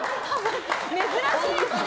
珍しいですね。